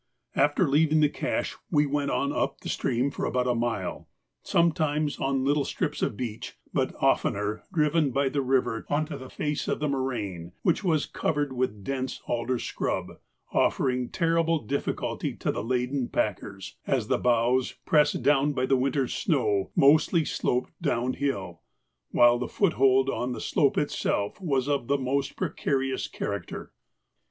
After leaving the cache we went on up stream for about a mile, sometimes on little strips of beach, but oftener driven by the river on to the face of the moraine, which was covered with dense alder scrub, offering terrible difficulty to the laden packers, as the boughs, pressed down by the winter's snow, mostly sloped down hill, while the foothold on the slope itself was of a most precarious character.